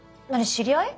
知り合い？